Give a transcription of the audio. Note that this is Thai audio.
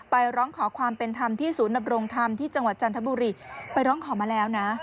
ร้องขอความเป็นธรรมที่ศูนย์ดำรงธรรมที่จังหวัดจันทบุรีไปร้องขอมาแล้วนะ